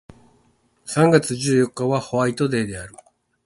三月十四日はホワイトデーである